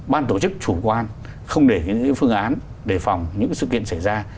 ban tổ chức chủ quan không để những phương án đề phòng những sự kiện xảy ra